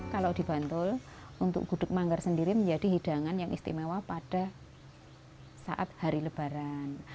kalau di bantul untuk gudeg manggar sendiri menjadi hidangan yang istimewa pada saat hari lebaran